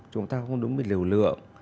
chúng ta không đúng về liều lượng